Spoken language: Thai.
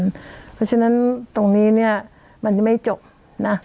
เพราะฉะนั้นตรงนี้เนี่ยมันจะไม่จบนะ